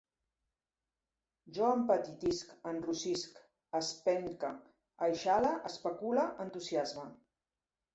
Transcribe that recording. Jo empetitisc, enrossisc, espenque, eixale, especule, entusiasme